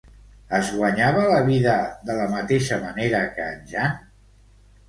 Es guanyava la vida de la mateixa manera que en Jan?